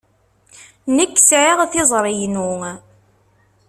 Nekk sɛiɣ tiẓri-inu.